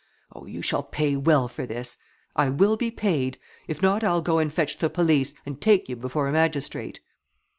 Oh, you shall pay well for this! I will be paid; if not I'll go and fetch the police, and take you before a magistrate!"